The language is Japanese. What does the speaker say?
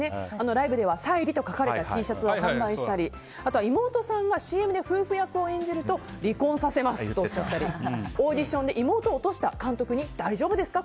ライブでは沙莉と書かれたＴシャツを販売したり妹さんがＣＭで夫婦役を演じると離婚させますとおっしゃったりオーディションで妹を落とした監督に大丈夫ですか？